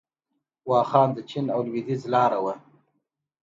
واخان د چین او لویدیځ لاره وه